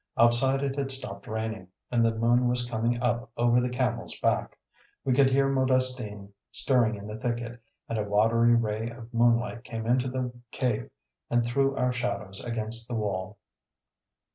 Outside it had stopped raining, and the moon was coming up over the Camel's Back. We could hear Modestine stirring in the thicket and a watery ray of moonlight came into the cave and threw our shadows against the wall.